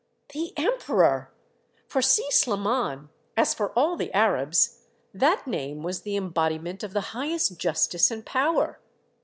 The Emperor ! For Si Sliman, as for all the Arabs, that name was the embodiment of the high est justice and power.